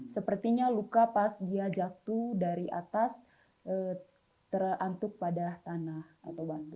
sepertinya luka pas dia jatuh dari atas terantuk pada tanah atau batu